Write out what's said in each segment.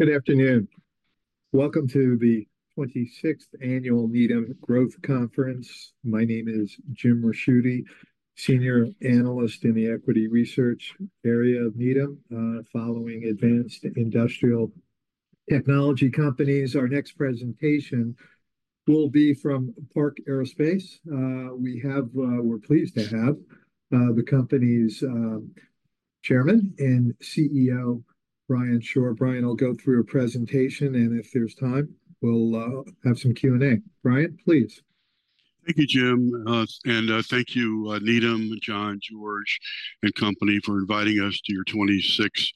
Good afternoon. Welcome to the 26th Annual Needham Growth Conference. My name is Jim Ricchiuti, Senior Analyst in the equity research area of Needham, following advanced industrial technology companies. Our next presentation will be from Park Aerospace. We have, we're pleased to have, the company's Chairman and CEO, Brian Shore. Brian will go through a presentation, and if there's time, we'll have some Q&A. Brian, please. Thank you, Jim. And thank you, Needham, John, George, and company for inviting us to your 26th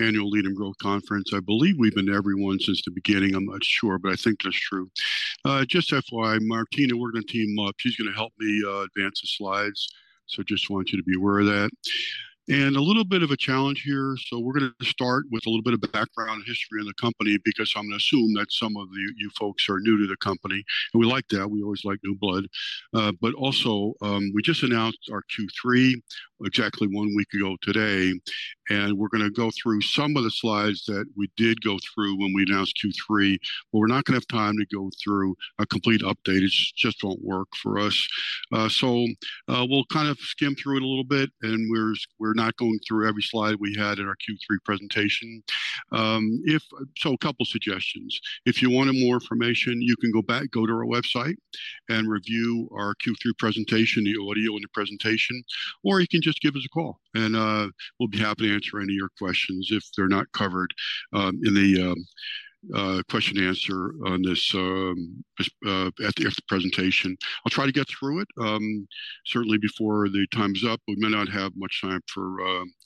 Annual Needham Growth Conference. I believe we've been to every one since the beginning. I'm not sure, but I think that's true. Just FYI, Martina, we're gonna team up. She's gonna help me advance the slides, so just want you to be aware of that. A little bit of a challenge here, so we're gonna start with a little bit of background history on the company, because I'm gonna assume that some of you, you folks are new to the company, and we like that. We always like new blood. But also, we just announced our Q3 exactly one week ago today, and we're gonna go through some of the slides that we did go through when we announced Q3, but we're not gonna have time to go through a complete update. It just, just won't work for us. So, we'll kind of skim through it a little bit, and we're not going through every slide we had in our Q3 presentation. So a couple suggestions. If you wanted more information, you can go back, go to our website and review our Q3 presentation, the audio and the presentation, or you can just give us a call, and we'll be happy to answer any of your questions if they're not covered in the question and answer on this at the presentation. I'll try to get through it, certainly before the time's up, but we may not have much time for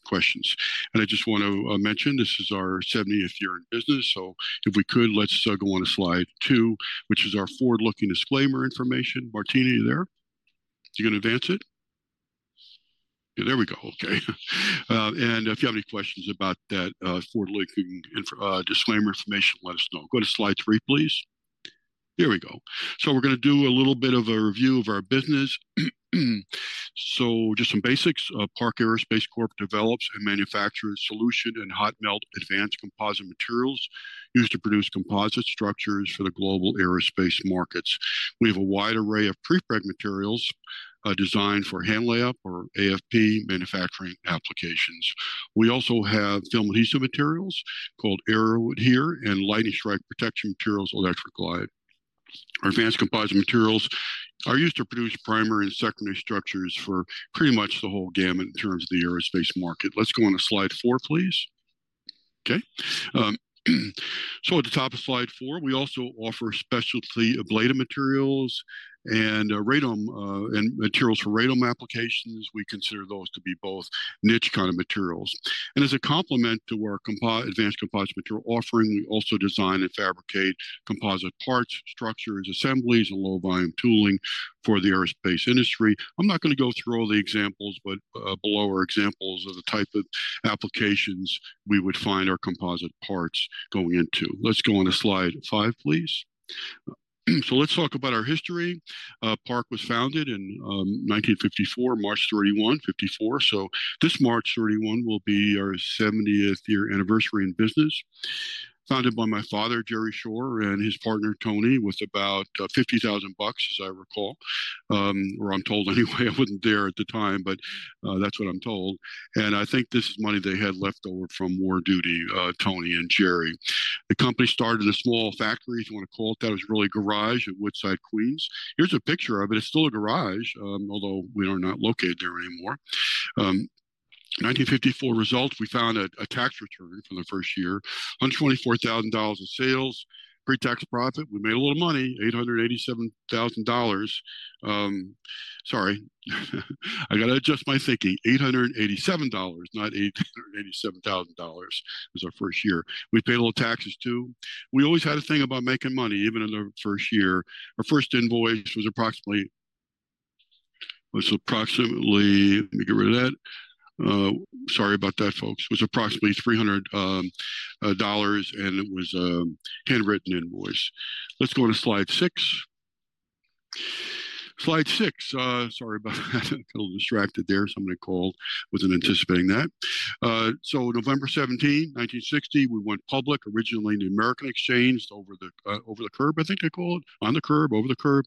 questions. And I just want to mention, this is our seventieth year in business, so if we could, let's go on to slide two, which is our forward-looking disclaimer information. Martina, are you there? You gonna advance it? There we go. Okay. And if you have any questions about that, forward-looking disclaimer information, let us know. Go to slide three, please. Here we go. So we're gonna do a little bit of a review of our business. So just some basics. Park Aerospace Corp develops and manufactures solution and hot melt advanced composite materials used to produce composite structures for the global aerospace markets. We have a wide array of prepreg materials, designed for hand layup or AFP manufacturing applications. We also have film adhesive materials called Aeroadhere and lightning strike protection materials, Electroglide. Our advanced composite materials are used to produce primary and secondary structures for pretty much the whole gamut in terms of the aerospace market. Let's go on to slide four, please. Okay. So at the top of slide four, we also offer specialty ablative materials and radome and materials for radome applications. We consider those to be both niche kind of materials. And as a complement to our advanced composite material offering, we also design and fabricate composite parts, structures, assemblies, and low volume tooling for the aerospace industry. I'm not gonna go through all the examples, but below are examples of the type of applications we would find our composite parts going into. Let's go on to slide five, please. So let's talk about our history. Park was founded in 1954, March 31, 1954. So this March 31 will be our 70th year anniversary in business. Founded by my father, Jerry Shore, and his partner, Tony, with about $50,000, as I recall, or I'm told anyway. I wasn't there at the time, but that's what I'm told. And I think this is money they had left over from war duty, Tony and Jerry. The company started a small factory, if you wanna call it that. It was really a garage in Woodside, Queens. Here's a picture of it. It's still a garage, although we are not located there anymore. 1954 results, we found a tax return from the first year, $124,000 in sales. Pre-tax profit, we made a little money, $887,000. Sorry, I gotta adjust my thinking. $887, not $887,000. It was our first year. We paid a little taxes, too. We always had a thing about making money, even in the first year. Our first invoice was approximately, let me get rid of that. Sorry about that, folks. It was approximately $300, and it was a handwritten invoice. Let's go to slide six. Slide six. Sorry about that. Got a little distracted there. Somebody called. Wasn't anticipating that. So November 17, 1960, we went public, originally in the American Exchange, over the curb, I think they call it. On the curb, over the curb.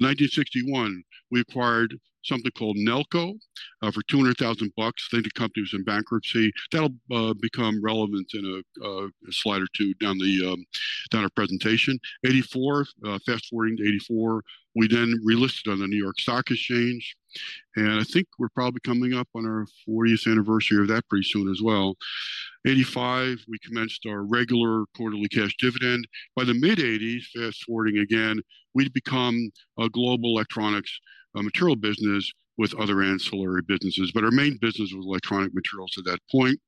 1961, we acquired something called Nelco for $200,000 bucks. I think the company was in bankruptcy. That'll become relevant in a slide or two down our presentation. 1984, fast-forwarding to 1984, we then relisted on the New York Stock Exchange, and I think we're probably coming up on our fortieth anniversary of that pretty soon as well. 1985, we commenced our regular quarterly cash dividend. By the mid-1980s, fast-forwarding again, we'd become a global electronics material business with other ancillary businesses, but our main business was electronic materials at that point.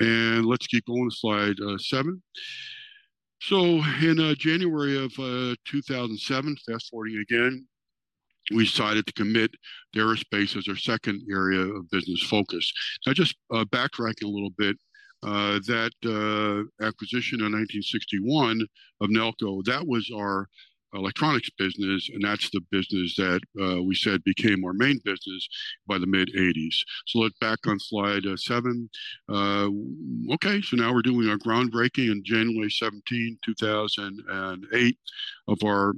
And let's keep going to slide seven. So in January of 2007, fast-forwarding again. We decided to commit aerospace as our second area of business focus. Now, just backtracking a little bit, that acquisition in 1961 of Nelco, that was our electronics business, and that's the business that we said became our main business by the mid-1980s. So let's back on slide seven. Okay, so now we're doing our groundbreaking in January 17, 2008, of our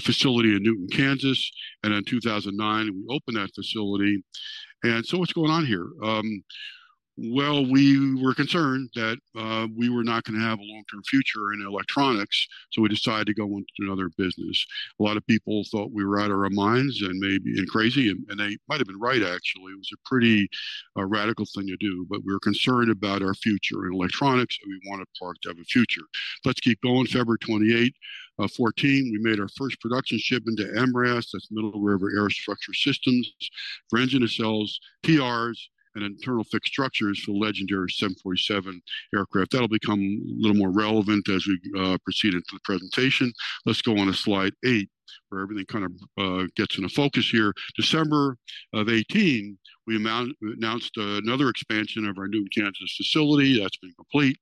facility in Newton, Kansas, and in 2009, we opened that facility. So what's going on here? Well, we were concerned that we were not gonna have a long-term future in electronics, so we decided to go on to another business. A lot of people thought we were out of our minds and maybe and crazy, and they might have been right, actually. It was a pretty radical thing to do, but we were concerned about our future in electronics, and we wanted Park to have a future. Let's keep going. February 28, 2014, we made our first production shipment to MRAS, that's Middle River Aerostructure Systems, for engine nacelles, TRs, and internal fixed structures for the legendary 747 aircraft. That'll become a little more relevant as we proceed into the presentation. Let's go on to slide eight, where everything kind of gets into focus here. December of 2018, we announced another expansion of our Newton, Kansas, facility. That's been complete.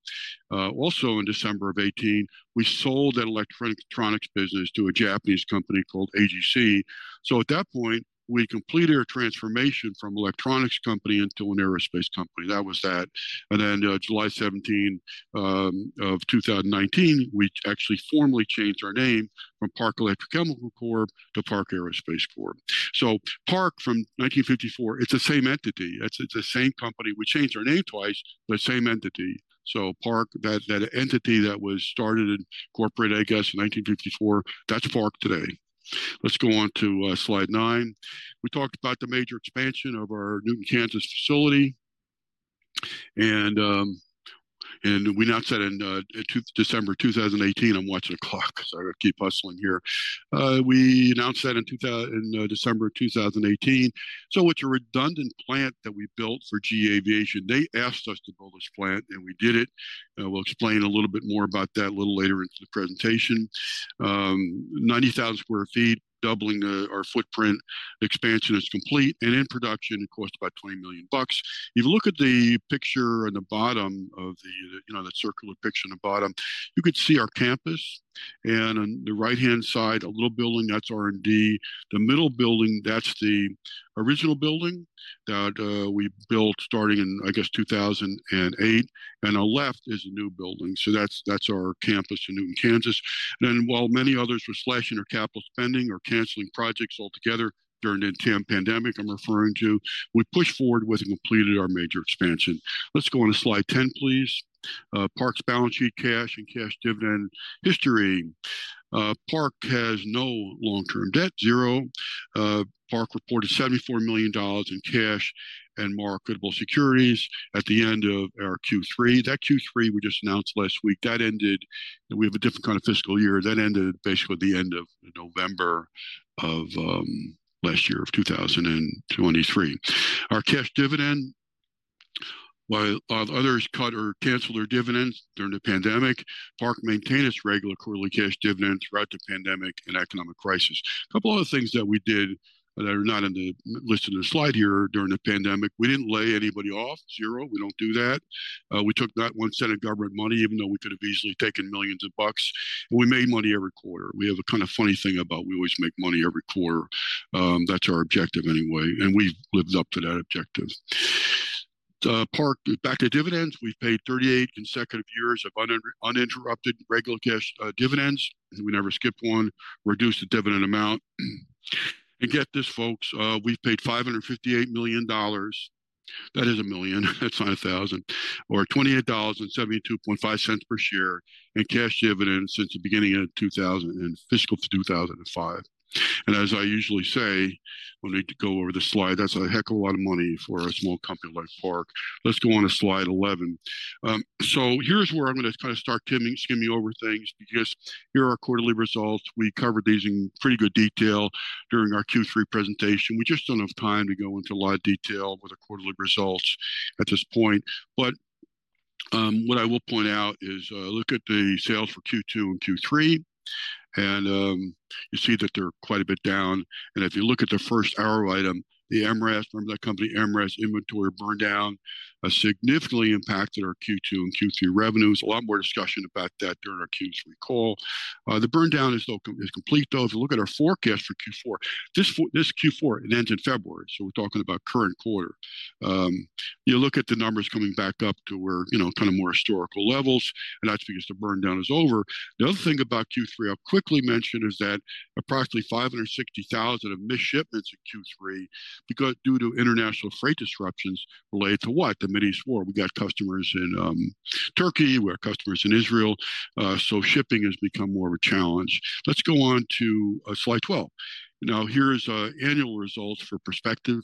Also in December of 2018, we sold that electronics business to a Japanese company called AGC. So at that point, we completed our transformation from electronics company into an aerospace company. That was that. Then, July 17, 2019, we actually formally changed our name from Park Electrochemical Corp to Park Aerospace Corp. So Park, from 1954, it's the same entity. It's, it's the same company. We changed our name twice, but same entity. So Park, that entity that was started and incorporated, I guess, in 1954, that's Park today. Let's go on to slide nine. We talked about the major expansion of our Newton, Kansas, facility, and we announced that in December 2018. I'm watching the clock, so I'll keep hustling here. We announced that in December of 2018. So it's a redundant plant that we built for GE Aviation. They asked us to build this plant, and we did it. We'll explain a little bit more about that a little later into the presentation. 90,000 sq ft, doubling our footprint. Expansion is complete, and in production, it cost about $20 million. If you look at the picture on the bottom, you know, that circular picture on the bottom, you could see our campus, and on the right-hand side, a little building, that's R&D. The middle building, that's the original building that we built starting in, I guess, 2008, and on the left is the new building. So that's our campus in Newton, Kansas. While many others were slashing their capital spending or canceling projects altogether during the pandemic I'm referring to, we pushed forward with and completed our major expansion. Let's go on to slide 10, please. Park's balance sheet, cash, and cash dividend history. Park has no long-term debt, zero. Park reported $74 million in cash and marketable securities at the end of our Q3. That Q3 we just announced last week, that ended. We have a different kind of fiscal year. That ended basically at the end of November of last year, of 2023. Our cash dividend, while others cut or canceled their dividends during the pandemic, Park maintained its regular quarterly cash dividend throughout the pandemic and economic crisis. A couple other things that we did that are not in the list of the slide here during the pandemic, we didn't lay anybody off, zero. We don't do that. We took not one cent of government money, even though we could have easily taken millions of bucks, but we made money every quarter. We have a kind of funny thing about we always make money every quarter. That's our objective anyway, and we've lived up to that objective. Park, back to dividends, we've paid 38 consecutive years of uninterrupted regular cash dividends. We never skipped one, reduced the dividend amount. And get this, folks, we've paid $558 million. That is a million, that's not a thousand, or $28.725 per share in cash dividends since the beginning of fiscal 2005. And as I usually say, when we go over the slide, that's a heck of a lot of money for a small company like Park. Let's go on to slide 11. So here's where I'm gonna kind of start skimming, skimming over things, because here are our quarterly results. We covered these in pretty good detail during our Q3 presentation. We just don't have time to go into a lot of detail with the quarterly results at this point. What I will point out is, look at the sales for Q2 and Q3, and you see that they're quite a bit down. And if you look at the first arrow item, the MRAS, remember that company, MRAS inventory burn down significantly impacted our Q2 and Q3 revenues. A lot more discussion about that during our Q3 call. The burn down is complete, though. If you look at our forecast for Q4, this Q4, it ends in February, so we're talking about current quarter. You look at the numbers coming back up to where, you know, kind of more historical levels, and that's because the burn down is over. The other thing about Q3 I'll quickly mention is that approximately $560,000 of missed shipments in Q3 due to international freight disruptions related to what? The Mideast war. We got customers in Turkey, we have customers in Israel, so shipping has become more of a challenge. Let's go on to slide 12. Now, here's annual results for perspective.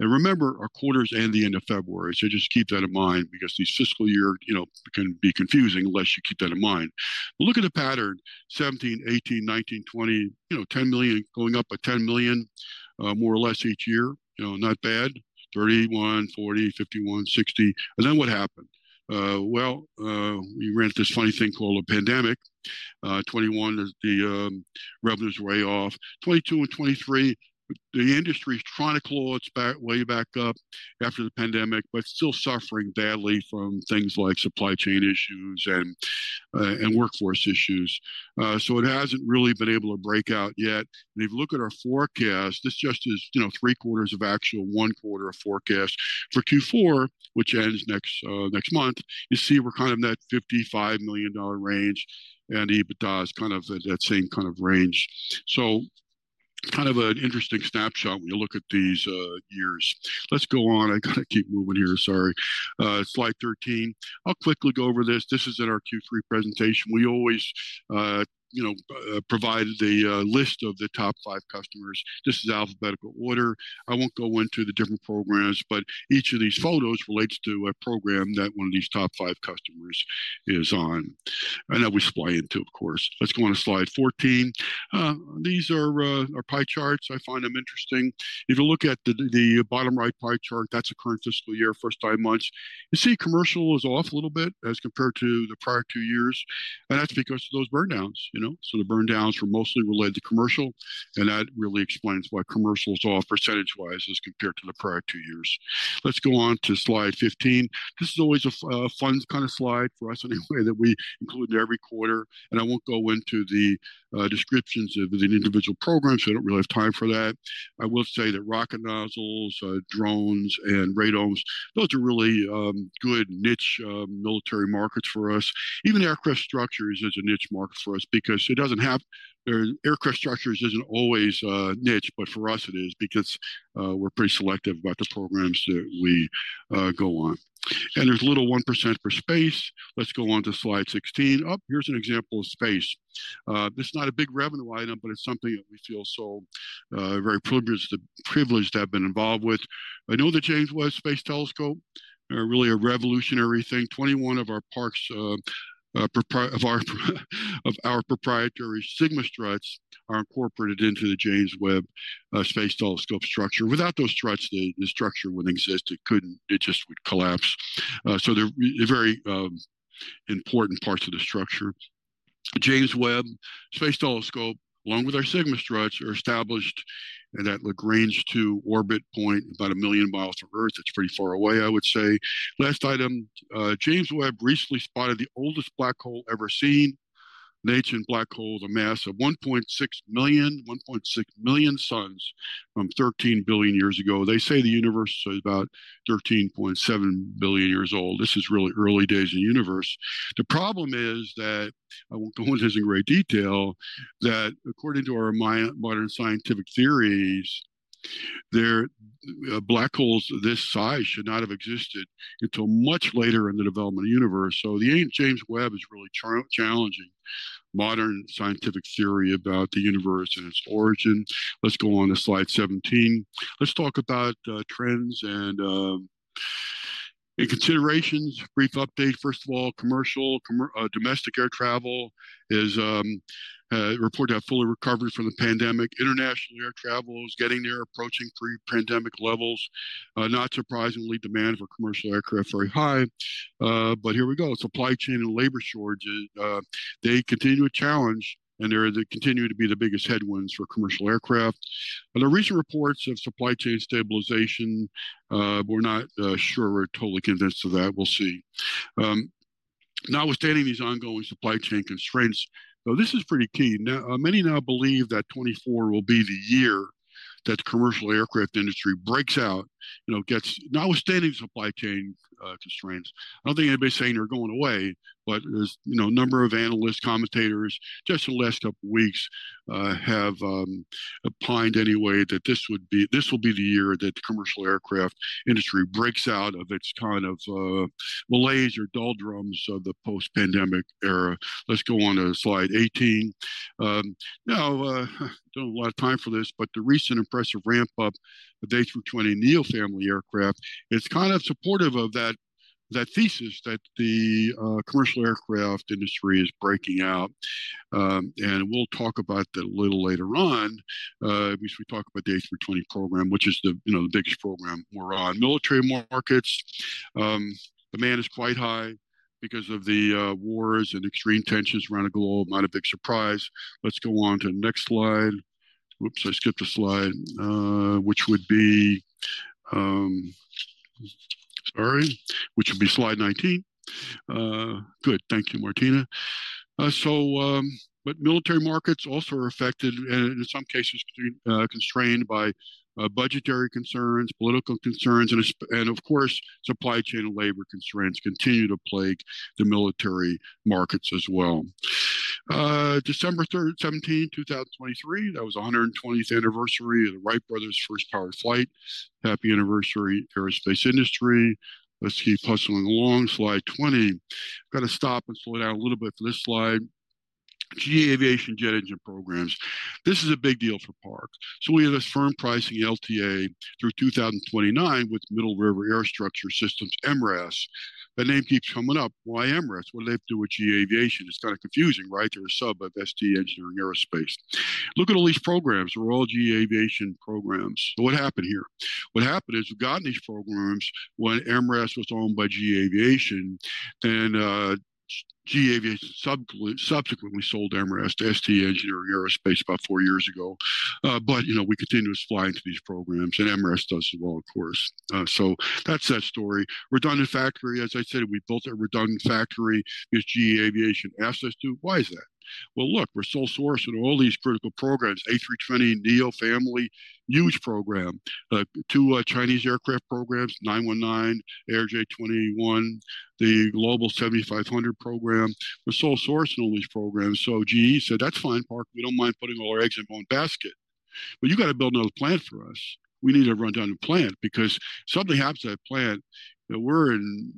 Remember, our quarter's end the end of February, so just keep that in mind because the fiscal year, you know, can be confusing unless you keep that in mind. Look at the pattern, 2017, 2018, 2019, 2020, you know, $10 million, going up by $10 million, more or less each year. You know, not bad. $31 million, $40 million, $51 million, $60 million. Then what happened? Well, we ran into this funny thing called a pandemic. 2021, the revenue's way off. 2022 and 2023, the industry's trying to claw its way back up after the pandemic, but still suffering badly from things like supply chain issues and, and workforce issues. So it hasn't really been able to break out yet. And if you look at our forecast, this just is, you know, three quarters of actual, one quarter of forecast. For Q4, which ends next month, you see we're kind of in that $55 million range, and EBITDA is kind of in that same kind of range. So kind of an interesting snapshot when you look at these years. Let's go on. I've got to keep moving here. Sorry. Slide 13. I'll quickly go over this. This is in our Q3 presentation. We always, you know, provide the list of the top five customers. This is alphabetical order. I won't go into the different programs, but each of these photos relates to a program that one of these top five customers is on, and that we supply into, of course. Let's go on to slide 14. These are our pie charts. I find them interesting. If you look at the bottom right pie chart, that's the current fiscal year, first five months. You see commercial is off a little bit as compared to the prior two years, and that's because of those burn downs, you know? So the burn downs were mostly related to commercial, and that really explains why commercial is off percentage-wise as compared to the prior two years. Let's go on to slide 15. This is always a fun kind of slide for us anyway, that we include every quarter, and I won't go into the descriptions of the individual programs. We don't really have time for that. I will say that rocket nozzles, drones, and radomes, those are really good niche military markets for us. Even aircraft structures is a niche market for us because it doesn't have, aircraft structures isn't always niche, but for us it is, because we're pretty selective about the programs that we go on. And there's little 1% for space. Let's go on to slide 16. Oh, here's an example of space. This is not a big revenue item, but it's something that we feel so very privileged to have been involved with. I know the James Webb Space Telescope, really a revolutionary thing. Twenty-one of our Park's proprietary SIGMA STRUTS are incorporated into the James Webb Space Telescope structure. Without those struts, the structure wouldn't exist. It couldn't. It just would collapse. So they're very important parts of the structure. The James Webb Space Telescope, along with our SIGMA STRUTS, are established in that Lagrange 2 orbit point, about 1 million mi from Earth. It's pretty far away, I would say. Last item, James Webb recently spotted the oldest black hole ever seen. Natural black hole, the mass of 1.6 million suns from 13 billion years ago. They say the universe is about 13.7 billion years old. This is really early days in the universe. The problem is that, I won't go into this in great detail, that according to our modern scientific theories, black holes this size should not have existed until much later in the development of universe. So the James Webb is really challenging modern scientific theory about the universe and its origin. Let's go on to slide 17. Let's talk about trends and considerations. Brief update, first of all, commercial domestic air travel is reported to have fully recovered from the pandemic. International air travel is getting there, approaching pre-pandemic levels. Not surprisingly, demand for commercial aircraft is very high. But here we go, supply chain and labor shortages, they continue to challenge, and they're, they continue to be the biggest headwinds for commercial aircraft. The recent reports of supply chain stabilization, we're not sure we're totally convinced of that. We'll see. Notwithstanding these ongoing supply chain constraints, so this is pretty key. Now, many now believe that 2024 will be the year that the commercial aircraft industry breaks out, you know, gets notwithstanding supply chain constraints. I don't think anybody's saying they're going away, but there's, you know, a number of analysts, commentators, just in the last couple of weeks, have opined anyway that this would be, this will be the year that the commercial aircraft industry breaks out of its kind of, malaise or doldrums of the post-pandemic era. Let's go on to slide 18. Now, don't have a lot of time for this, but the recent impressive ramp-up of the A320neo family aircraft, it's kind of supportive of that, that thesis that the commercial aircraft industry is breaking out. And we'll talk about that a little later on, as we talk about the A320 program, which is the, you know, the biggest program we're on. Military markets, demand is quite high because of the wars and extreme tensions around the globe. Not a big surprise. Let's go on to the next slide. Oops, I skipped a slide, which would be, sorry, which would be slide 19. Good. Thank you, Martina. But military markets also are affected and in some cases, constrained by budgetary concerns, political concerns, and of course, supply chain and labor constraints continue to plague the military markets as well. December 17, 2023, that was the 120th anniversary of the Wright brothers' first powered flight. Happy anniversary, aerospace industry. Let's keep hustling along, slide 20. I've got to stop and slow down a little bit for this slide. GE Aviation jet engine programs, this is a big deal for Park. So we have a firm pricing LTA through 2029 with Middle River Aerostructure Systems, MRAS. The name keeps coming up. Why MRAS? What do they have to do with GE Aviation? It's kind of confusing, right? They're a sub of ST Engineering Aerospace. Look at all these programs. They're all GE Aviation programs. So what happened here? What happened is, we've gotten these programs when MRAS was owned by GE Aviation, and, GE Aviation subsequently sold MRAS to ST Engineering Aerospace about four years ago. But, you know, we continue to supply into these programs, and MRAS does as well, of course. So that's that story. Redundant factory, as I said, we built a redundant factory because GE Aviation asked us to. Why is that? Well, look, we're sole source in all these critical programs. A320neo family, huge program. Two Chinese aircraft programs, C919, ARJ21, the Global 7500 program. We're sole source in all these programs, so GE said: "That's fine, Park, we don't mind putting all our eggs in one basket." But you got to build another plant for us. We need to run down the plant because if something happens to that plant, then we're in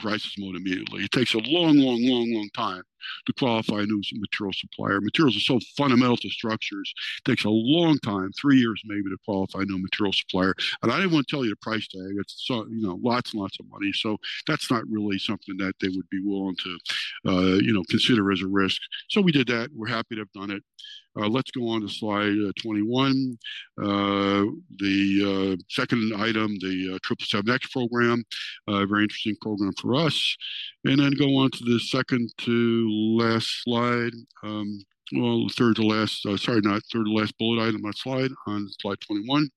crisis mode immediately. It takes a long, long, long, long time to qualify a new material supplier. Materials are so fundamental to structures, it takes a long time, three years maybe, to qualify a new material supplier. And I didn't want to tell you the price tag. It's so, you know, lots and lots of money. So that's not really something that they would be willing to, you know, consider as a risk. So we did that. We're happy to have done it. Let's go on to slide 21. The second item, the 777X program, a very interesting program for us. Then go on to the second to last slide, well, third to last, sorry, not third to last bullet item on my slide, on slide 21.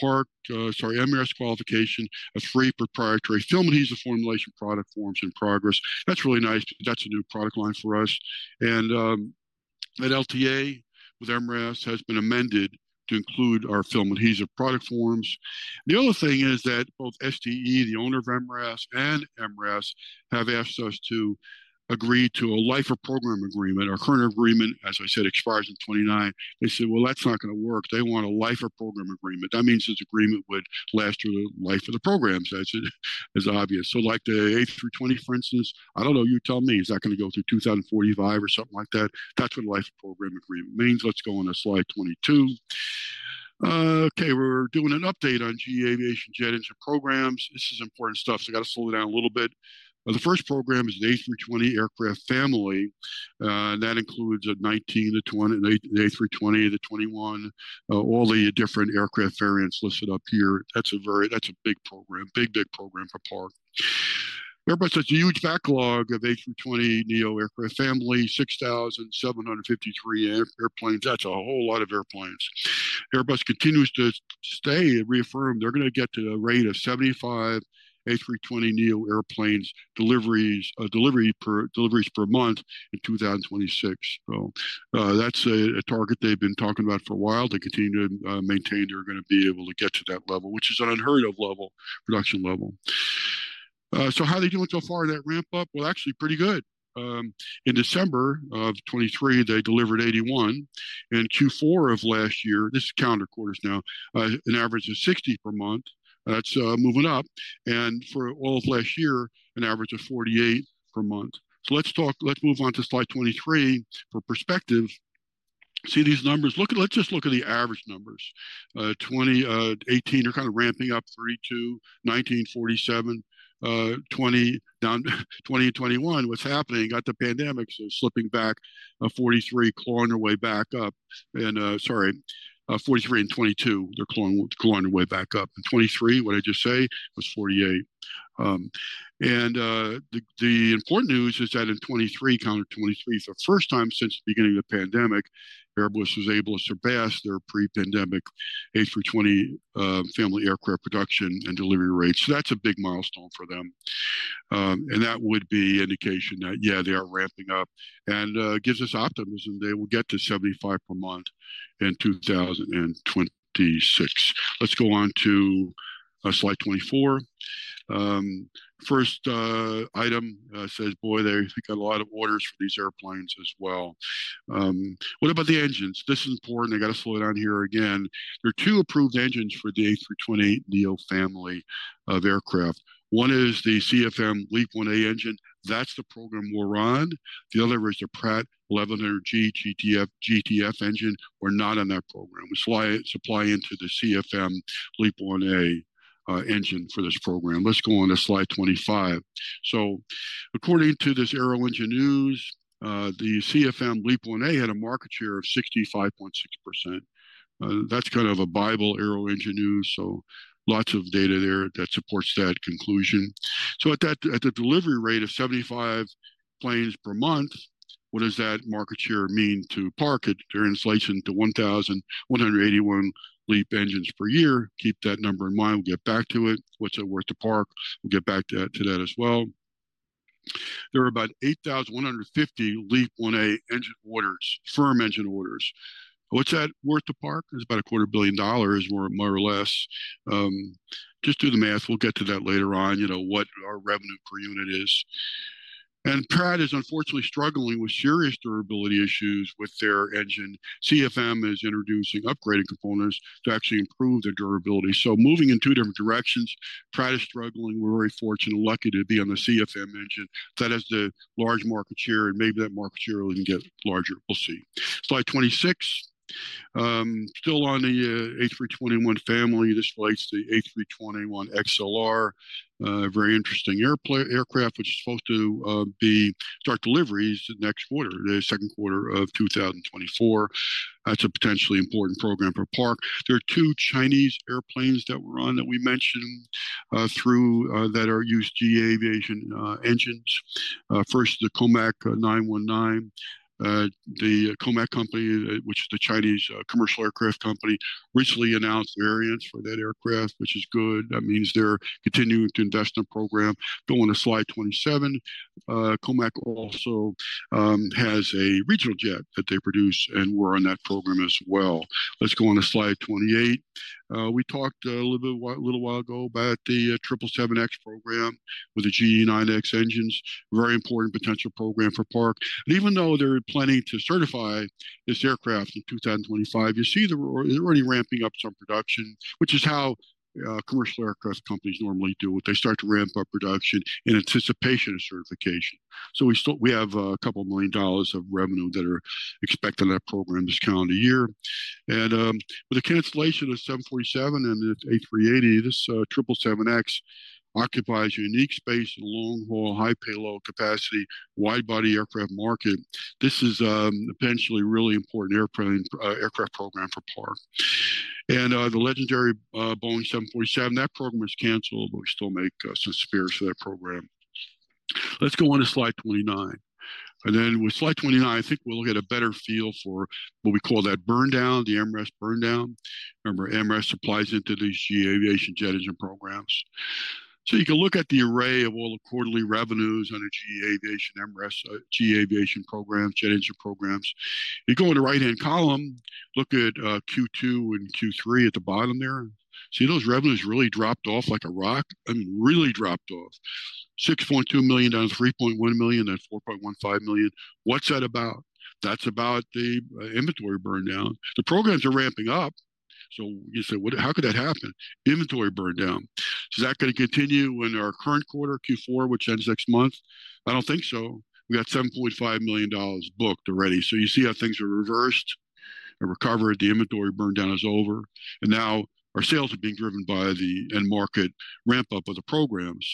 Park, sorry, MRAS qualification of three proprietary film adhesive formulation product forms in progress. That's really nice. That's a new product line for us. And, that LTA with MRAS has been amended to include our film adhesive product forms. The other thing is that both ST Engineering, the owner of MRAS, and MRAS have asked us to agree to a Life of Program agreement. Our current agreement, as I said, expires in 2029. They said, "Well, that's not gonna work." They want a Life of Program agreement. That means this agreement would last through the life of the programs, as it is obvious. So like the A320, for instance, I don't know, you tell me, is that gonna go through 2045 or something like that? That's what a life program agreement means. Let's go on to slide 22. Okay, we're doing an update on GE Aviation jet engine programs. This is important stuff, so I got to slow it down a little bit. The first program is the A320 aircraft family, and that includes A319 to A320, the A320 to A321, all the different aircraft variants listed up here. That's a very - That's a big program. Big, big program for Park. Airbus has a huge backlog of A320neo aircraft family, 6,753 airplanes. That's a whole lot of airplanes. Airbus continues to state and reaffirm they're gonna get to a rate of 75 A320neo airplane deliveries per month in 2026. So, that's a target they've been talking about for a while. They continue to maintain they're gonna be able to get to that level, which is an unheard-of level, production level. So how are they doing so far, that ramp up? Well, actually pretty good. In December of 2023, they delivered 81, in Q4 of last year, this is calendar quarters now, an average of 60 per month. That's moving up, and for all of last year, an average of 48 per month. So let's move on to slide 23 for perspective. See these numbers. Let's just look at the average numbers. 2018, they're kind of ramping up, 39 to 47, 2020 down 2021. What's happening? Got the pandemic, so slipping back, 43, clawing their way back up. And, sorry, 43 and 2022, they're clawing their way back up. In 2023, what did I just say? It was 48. And, the important news is that in 2023, calendar 2023, for the first time since the beginning of the pandemic, Airbus was able to surpass their pre-pandemic A320 family aircraft production and delivery rates. So that's a big milestone for them. And that would be indication that, yeah, they are ramping up and gives us optimism they will get to 75 per month in 2026. Let's go on to slide 24. First, item, says, boy, they got a lot of orders for these airplanes as well. What about the engines? This is important. I got to slow down here again. There are two approved engines for the A320neo family of aircraft. One is the CFM LEAP-1A engine. That's the program we're on. The other is the Pratt 1100G GTF engine. We're not on that program. We supply into the CFM LEAP-1A engine for this program. Let's go on to slide 25. So according to this Aeroengine News, the CFM LEAP-1A had a market share of 65.6%. That's kind of a bible, Aeroengine News, so lots of data there that supports that conclusion. So at the delivery rate of 75 planes per month, what does that market share mean to Park? It translates into 1,181 LEAP engines per year. Keep that number in mind. We'll get back to it. What's it worth to Park? We'll get back to that, to that as well. There are about 8,150 LEAP-1A engine orders, firm engine orders. What's that worth to Park? It's about $250 million more or more or less. Just do the math. We'll get to that later on, you know, what our revenue per unit is. Pratt is unfortunately struggling with serious durability issues with their engine. CFM is introducing upgraded components to actually improve their durability. So moving in two different directions, Pratt is struggling. We're very fortunate and lucky to be on the CFM engine. That has the large market share, and maybe that market share will even get larger. We'll see. Slide 26. Still on the A321 family. This relates to the A321XLR, very interesting aircraft, which is supposed to start deliveries next quarter, the second quarter of 2024. That's a potentially important program for Park. There are two Chinese airplanes that were on, that we mentioned through that are used GE Aviation engines. First, the COMAC C919. The COMAC company, which is the Chinese commercial aircraft company, recently announced variants for that aircraft, which is good. That means they're continuing to invest in the program. Go on to slide 27. COMAC also has a regional jet that they produce, and we're on that program as well. Let's go on to slide 28. We talked a little bit, a little while ago about the 777X program with the GE9X engines. Very important potential program for Park. And even though they're planning to certify this aircraft in 2025, you see they're already ramping up some production, which is how commercial aircraft companies normally do it. They start to ramp up production in anticipation of certification. So we still, we have a couple million dollars of revenue that are expected on that program this calendar year. And with the cancellation of 747 and the A380, this 777X occupies a unique space in long-haul, high-payload capacity, wide-body aircraft market. This is potentially a really important airplane, aircraft program for Park. The legendary Boeing 747, that program was canceled, but we still make some spares for that program. Let's go on to slide 29. And then with slide 29, I think we'll get a better feel for what we call that burn down, the MRAS burn down. Remember, MRAS supplies into these GE Aviation jet engine programs. So you can look at the array of all the quarterly revenues under GE Aviation, MRAS, GE Aviation programs, jet engine programs. You go in the right-hand column, look at Q2 and Q3 at the bottom there. See those revenues really dropped off like a rock? I mean, really dropped off. $6.2 million down to $3.1 million, then $4.15 million. What's that about? That's about the inventory burn down. The programs are ramping up, so you say: "What, how could that happen?" Inventory burn down. Is that gonna continue in our current quarter, Q4, which ends next month? I don't think so. We got $7.5 million booked already. So you see how things are reversed and recovered, the inventory burn down is over, and now our sales are being driven by the end market ramp-up of the programs.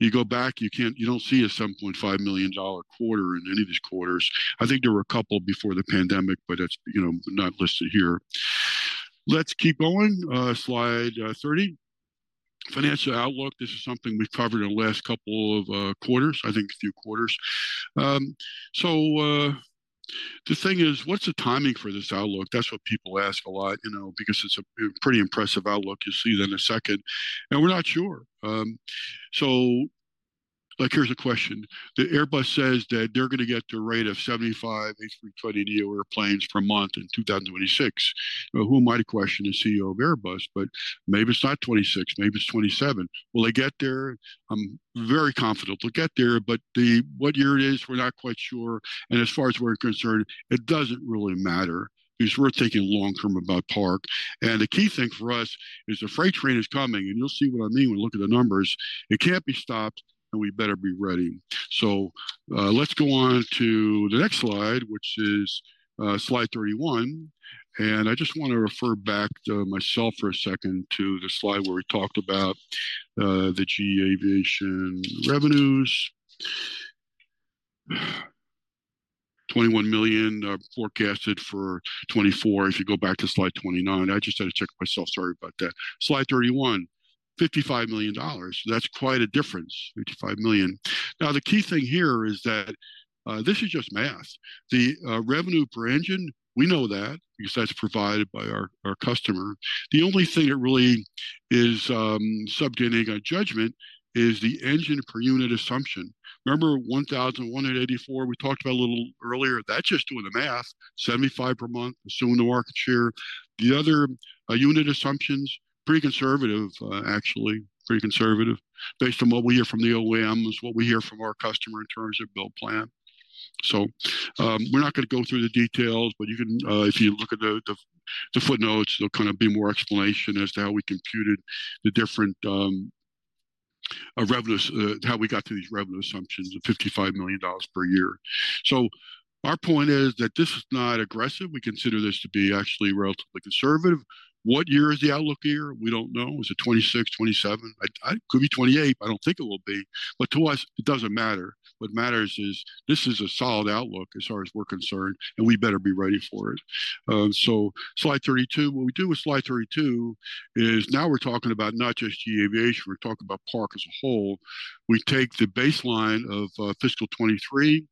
You go back, you can't, you don't see a $7.5 million quarter in any of these quarters. I think there were a couple before the pandemic, but it's, you know, not listed here. Let's keep going. Slide 30. Financial outlook. This is something we've covered in the last couple of quarters, I think a few quarters. So, the thing is, what's the timing for this outlook? That's what people ask a lot, you know, because it's a pretty impressive outlook. You'll see that in a second, and we're not sure. So, like, here's a question. The Airbus says that they're gonna get to a rate of 75 A320neo airplanes per month in 2026. Who am I to question the CEO of Airbus? But maybe it's not 26, maybe it's 27. Will they get there? I'm very confident they'll get there, but the what year it is, we're not quite sure, and as far as we're concerned, it doesn't really matter because we're thinking long term about Park. And the key thing for us is the freight train is coming, and you'll see what I mean when you look at the numbers. It can't be stopped, and we better be ready. So, let's go on to the next slide, which is slide 31. And I just wanna refer back to myself for a second to the slide where we talked about the GE Aviation revenues. $21 million forecasted for 2024. If you go back to slide 29, I just had to check myself. Sorry about that. Slide 31, $55 million. That's quite a difference, $55 million. Now, the key thing here is that this is just math. The revenue per engine, we know that because that's provided by our customer. The only thing that really is subject to any judgment is the engine per unit assumption. Remember 1,184, we talked about a little earlier? That's just doing the math. 75 per month, assuming the market share. The other unit assumptions, pretty conservative, actually, pretty conservative, based on what we hear from the OEM, is what we hear from our customer in terms of build plan. So, we're not gonna go through the details, but you can, if you look at the footnotes, there'll kind of be more explanation as to how we computed the different revenues, how we got to these revenue assumptions of $55 million per year. So our point is that this is not aggressive. We consider this to be actually relatively conservative. What year is the outlook year? We don't know. Is it 2026, 2027? I could be 2028, but I don't think it will be. But to us, it doesn't matter. What matters is this is a solid outlook as far as we're concerned, and we better be ready for it. So slide 32. What we do with slide 32 is now we're talking about not just GE Aviation, we're talking about Park as a whole. We take the baseline of fiscal 2023,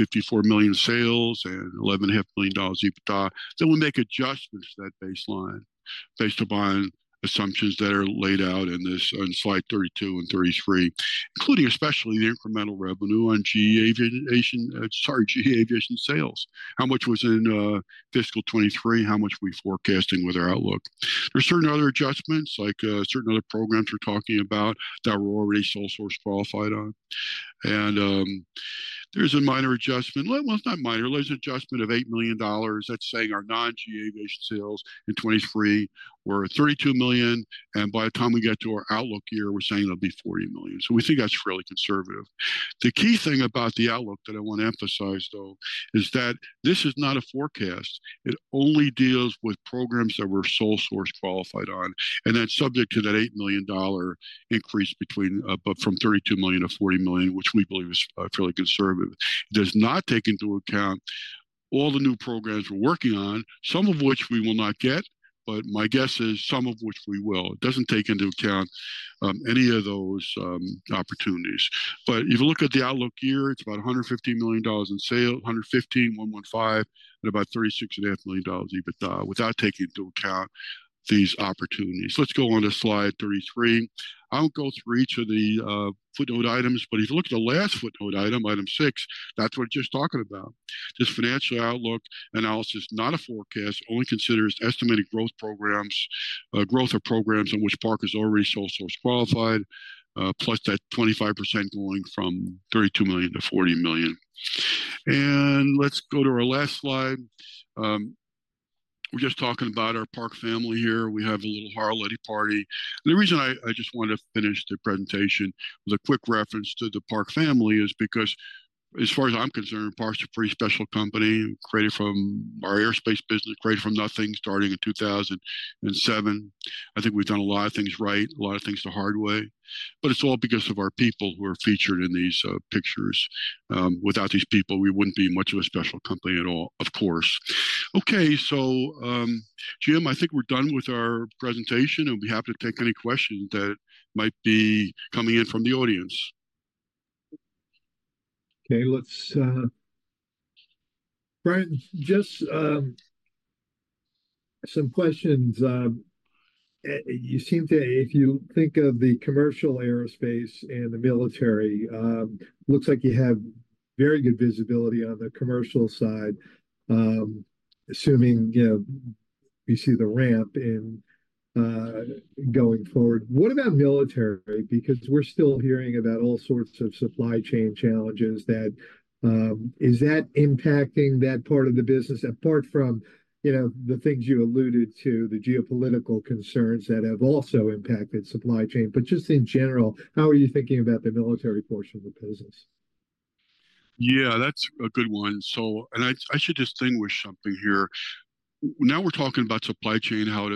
$54 million sales and $11.5 million EBITDA. Then we make adjustments to that baseline, based upon assumptions that are laid out in this, on slide 32 and 33, including especially the incremental revenue on GE Aviation sales. How much was in fiscal 2023? How much are we forecasting with our outlook? There are certain other adjustments, like certain other programs we're talking about that we're already sole source qualified on. There's a minor adjustment. Well, it's not minor. There's an adjustment of $8 million. That's saying our non-GE Aviation sales in 2023 were $32 million, and by the time we get to our outlook year, we're saying it'll be $40 million. So we think that's fairly conservative. The key thing about the outlook that I want to emphasize, though, is that this is not a forecast. It only deals with programs that we're sole source qualified on, and that's subject to that $8 million increase between, but from $32 million to $40 million, which we believe is, fairly conservative. It does not take into account all the new programs we're working on, some of which we will not get, but my guess is some of which we will. It doesn't take into account, any of those, opportunities. But if you look at the outlook year, it's about $150 million in sales, $115 million, and about $36.5 million EBITDA, without taking into account these opportunities. Let's go on to slide 33. I won't go through each of the footnote items, but if you look at the last footnote item, Item 6, that's what it's just talking about. This financial outlook analysis, not a forecast, only considers estimated growth programs, growth of programs in which Park is already sole source qualified, plus that 25% going from $32 million to $40 million. And let's go to our last slide. We're just talking about our Park family here. We have a little Harley party. The reason I just wanted to finish the presentation with a quick reference to the Park family is because, as far as I'm concerned, Park's a pretty special company created from our aerospace business, created from nothing, starting in 2007. I think we've done a lot of things right, a lot of things the hard way, but it's all because of our people who are featured in these pictures. Without these people, we wouldn't be much of a special company at all, of course. Okay, so, Jim, I think we're done with our presentation, and we'll be happy to take any questions that might be coming in from the audience. Okay, let's Brian, just some questions. You seem to, if you think of the commercial aerospace and the military, looks like you have very good visibility on the commercial side, assuming, you know, you see the ramp in going forward. What about military? Because we're still hearing about all sorts of supply chain challenges that. Is that impacting that part of the business, apart from, you know, the things you alluded to, the geopolitical concerns that have also impacted supply chain? But just in general, how are you thinking about the military portion of the business? Yeah, that's a good one. I should distinguish something here. Now we're talking about supply chain, how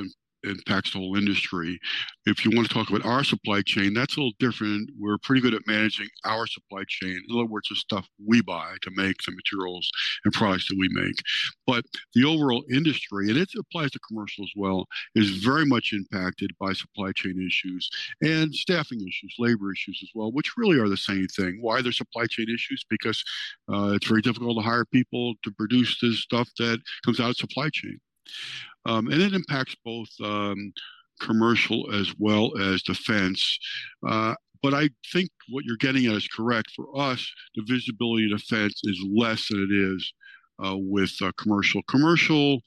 it impacts the whole industry. If you wanna talk about our supply chain, that's a little different. We're pretty good at managing our supply chain, in other words, the stuff we buy to make the materials and products that we make. But the overall industry, and it applies to commercial as well, is very much impacted by supply chain issues and staffing issues, labor issues as well, which really are the same thing. Why are there supply chain issues? Because it's very difficult to hire people to produce the stuff that comes out of supply chain. And it impacts both commercial as well as defense. But I think what you're getting at is correct. For us, the visibility in defense is less than it is with commercial. Commercial,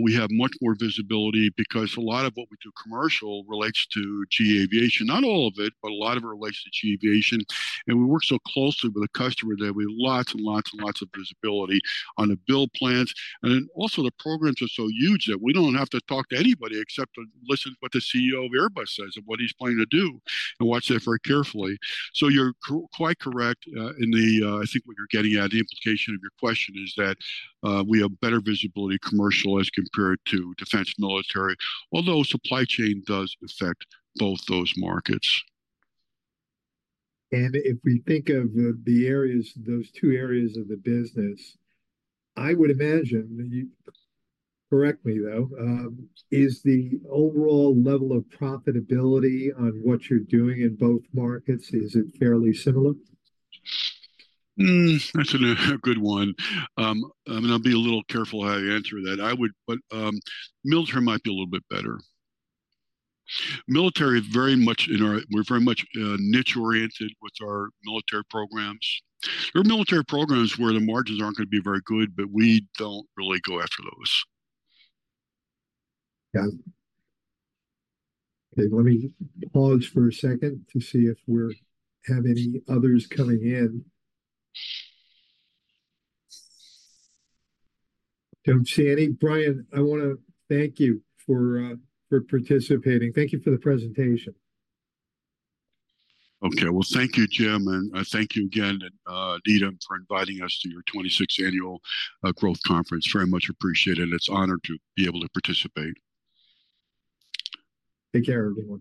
we have much more visibility because a lot of what we do commercial relates to GE Aviation. Not all of it, but a lot of it relates to GE Aviation, and we work so closely with the customer that we have lots and lots and lots of visibility on the build plans. And then also, the programs are so huge that we don't have to talk to anybody except to listen to what the CEO of Airbus says and what he's planning to do, and watch that very carefully. So you're quite correct in the, I think what you're getting at, the implication of your question is that we have better visibility commercial as compared to defense military, although supply chain does affect both those markets. If we think of the areas, those two areas of the business, I would imagine, you correct me, though, is the overall level of profitability on what you're doing in both markets, is it fairly similar? Hmm, that's a good one. I'm gonna be a little careful how I answer that. I would, but military might be a little bit better. Military is very much in our, we're very much niche-oriented with our military programs. There are military programs where the margins aren't gonna be very good, but we don't really go after those. Yeah. Okay, let me pause for a second to see if we have any others coming in. Don't see any. Brian, I wanna thank you for for participating. Thank you for the presentation. Okay. Well, thank you, Jim, and thank you again, and Needham, for inviting us to your 26th Annual Growth Conference. Very much appreciated. It's an honor to be able to participate. Take care, everyone.